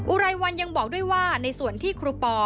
อุไรวันยังบอกด้วยว่าในส่วนที่ครูปอ